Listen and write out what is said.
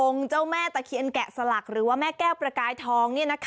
เจ้าแม่ตะเคียนแกะสลักหรือว่าแม่แก้วประกายทอง